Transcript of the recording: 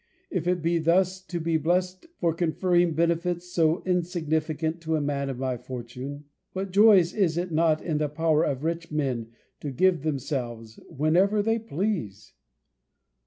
If it be thus to be bless'd for conferring benefits so insignificant to a man of my fortune, what joys is it not in the power of rich men to give themselves, whenever they please!